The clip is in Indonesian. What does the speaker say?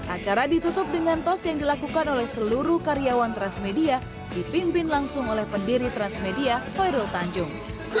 acara ditutup dengan tos yang dilakukan oleh seluruh karyawan transmedia dipimpin langsung oleh pendiri transmedia hoirul tanjung